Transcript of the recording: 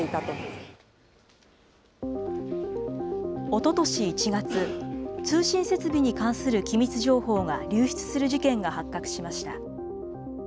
おととし１月、通信設備に関する機密情報が流出する事件が発覚しました。